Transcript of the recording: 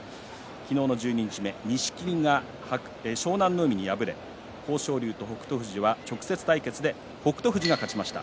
昨日、十二日目錦木が湘南乃海に敗れ豊昇龍と北勝富士は、直接対決で北勝富士が勝ちました。